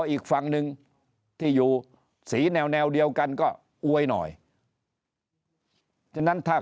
อีกฝั่งหนึ่งที่อยู่สีแนวแนวเดียวกันก็อวยหน่อยฉะนั้นถ้า